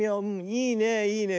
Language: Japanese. いいねいいね。